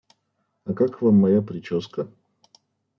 А как Вам моя прическа?